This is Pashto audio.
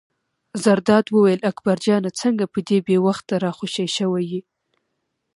زرداد وویل: اکبر جانه څنګه په دې بې وخته را خوشې شوی یې.